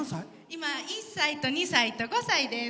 今、１歳と２歳と５歳です。